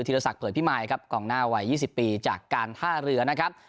รศักดิเผยพิมายครับกองหน้าวัย๒๐ปีจากการท่าเรือนะครับ